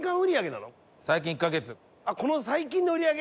この最近の売り上げ？